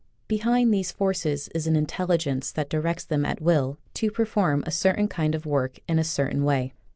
Behind these forces is an intelligence that directs them at will to perform a certain kind of work in a certain way.